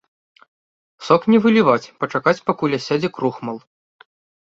Сок не выліваць, пачакаць пакуль асядзе крухмал.